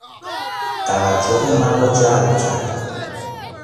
توجه مرا جلب کرد.